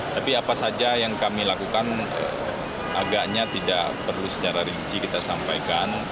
tapi apa saja yang kami lakukan agaknya tidak perlu secara rinci kita sampaikan